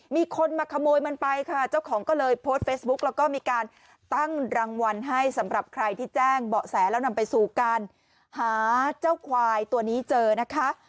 มีคนมาขโมยมันไปค่ะเจ้าของก็เลยโพสต์เฟซบุ๊กแล้วก็มีการตั้งรางวัลให้สำหรับใครที่แจ้งเบาะแสแล้วนำไปสู่การหาเจ้าควายตัวนี้เจอนะคะ